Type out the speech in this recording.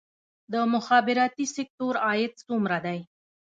د مخابراتي سکتور عاید څومره دی؟